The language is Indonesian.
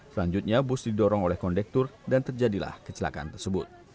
selanjutnya bus didorong oleh kondektur dan terjadilah kecelakaan tersebut